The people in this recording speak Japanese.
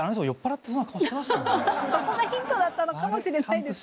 そこがヒントだったのかもしれないですけど。